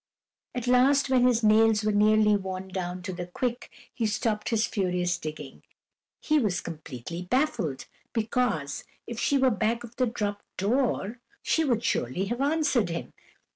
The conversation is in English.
At last when his nails were nearly worn down to the quick, he stopped his furious digging. He was completely baffled; because, if she were back of the dropped door, she would surely have answered him.